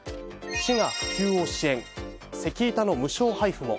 市が普及を支援せき板の無償配布も。